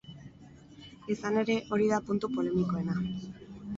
Izan ere, hori da puntu polemikoena.